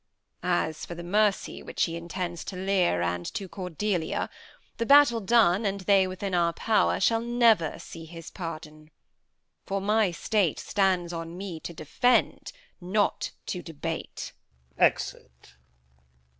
As for the mercy Which he intends to Lear and to Cordelia The battle done, and they within our power, Shall never see his pardon; for my state Stands on me to defend, not to debate. Exit.